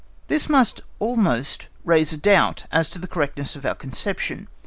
This must almost raise a doubt as to the correctness of our conception.